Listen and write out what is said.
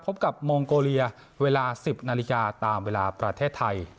พบกับมองโกเลียเวลา๑๐นาฬิกาตามเวลาประเทศไทย